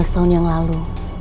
lima belas tahun yang lalu